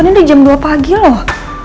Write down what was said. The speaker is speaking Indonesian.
ini di jam dua pagi loh